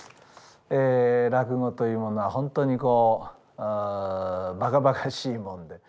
え落語というものは本当にこうばかばかしいもんで。